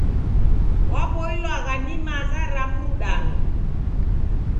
Waboilwagha na maza ra mrudano.